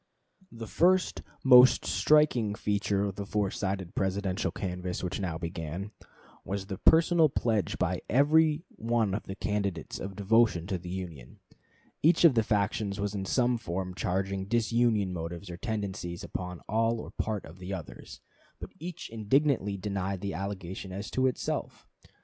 The first, most striking feature of the four sided Presidential canvass which now began, was the personal pledge by every one of the candidates of devotion to the Union. Each of the factions was in some form charging disunion motives or tendencies upon part or all of the others; but each indignantly denied the allegation as to itself.